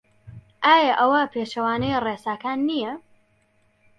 ئایا ئەوە پێچەوانەی ڕێساکان نییە؟